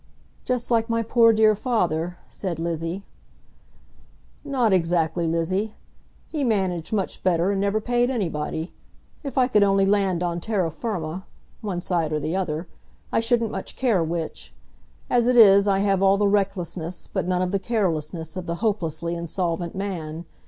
"Just like my poor dear father," said Lizzie. "Not exactly, Lizzie. He managed much better, and never paid anybody. If I could only land on terra firma, one side or the other, I shouldn't much care which. As it is I have all the recklessness, but none of the carelessness, of the hopelessly insolvent man.